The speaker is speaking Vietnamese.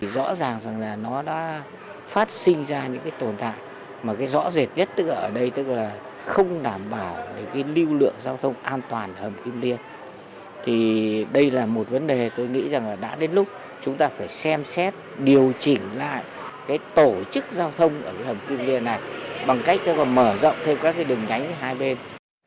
rõ ràng là nó đã phát sinh ra những tồn tại mà rõ rệt nhất ở đây tức là không đảm bảo lưu lượng giao thông an toàn ở hầm kim liên đây là một vấn đề tôi nghĩ đã đến lúc chúng ta phải xem xét điều chỉnh lại tổ chức giao thông ở hầm kim liên này bằng cách mở rộng thêm các đường nhánh hai bên